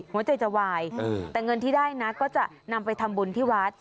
หัวใจจะวายแต่เงินที่ได้นะก็จะนำไปทำบุญที่วัด